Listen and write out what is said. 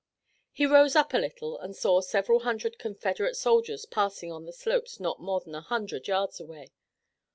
He rose up a little and saw several hundred Confederate soldiers passing on the slopes not more than a hundred yards away.